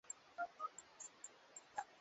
hivi ya wakazi wanafuata Ukristo katika mojawapo